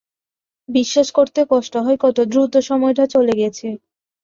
বিশ্বাস করতে কষ্ট হয় কত দ্রুত সময়টা চলে গেছে।